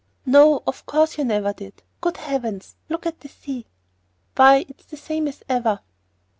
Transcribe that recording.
"No, of course you never did. Good heavens! look at the sea." "Why, it's the same as ever!"